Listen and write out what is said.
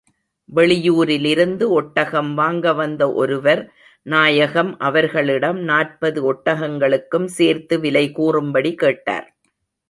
வெளியூரிலிருந்து ஒட்டகம் வாங்க வந்த ஒருவர், நாயகம் அவர்களிடம் நாற்பது ஒட்டகங்களுக்கும் சேர்த்து விலை கூறும்படி கேட்டார்.